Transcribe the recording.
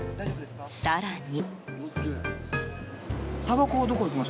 更に。